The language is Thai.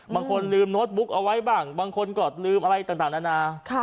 บางคนลืมโน้ตบุ๊กเอาไว้บ้างบางคนก็ลืมอะไรต่างนานา